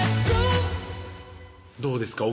どうですか？